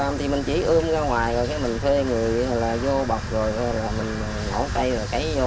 làm thì mình chỉ ưm ra ngoài rồi mình thuê người là vô bọc rồi mình ngổ cây rồi cấy vô